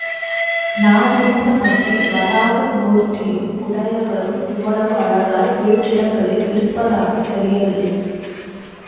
நானறிந்த மட்டில் வராக மூர்த்தியும் உடையவரும் இவ்வளவு அழகாய் வேறிடங்களில் இருப்பதாகத் தெரியவில்லை.